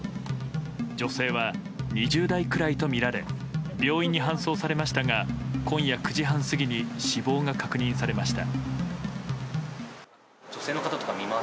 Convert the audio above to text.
女性は２０代くらいとみられ病院に搬送されましたが今夜９時半過ぎに死亡が確認されました。